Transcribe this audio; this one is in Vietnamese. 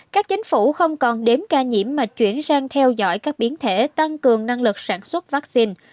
các chính phủ không còn đếm ca nhiễm mà chuyển sang theo dõi các biến thể tăng cường năng lực sản xuất vaccine